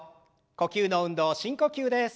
呼吸の運動深呼吸です。